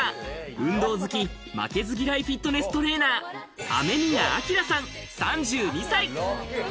運動好き、負けず嫌い、フィットネストレーナー、雨宮央さん、３２歳。